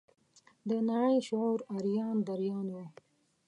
د نړۍ شعور اریان دریان و.